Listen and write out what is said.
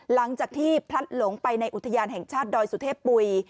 หลังจากที่พลัดหลงไปในอุทยานแห่งชาติดอยสุเทพปุ๋ย